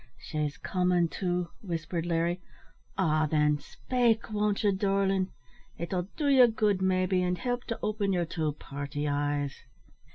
"She's comin' to," whispered Larry. "Ah! thin, spake, won't ye, darlin'? It'll do ye good, maybe, an' help to open yer two purty eyes."